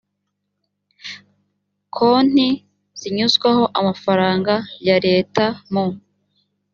konti zinyuzwaho amafaranga ya leta mu